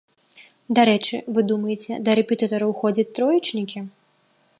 Дарэчы, вы думаеце, да рэпетытараў ходзяць троечнікі?